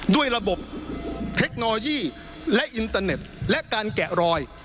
ด้วยระบบเทคโนโลยีและอินเตอร์เน็ตและการแกะรอย